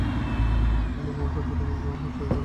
এবং আমার কাছে তুমি আছো চিরতরে না আহ, হা।